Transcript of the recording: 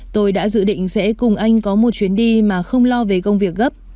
tôi đã dự định sẽ cùng anh có một chuyến đi mà không lo về công việc gấp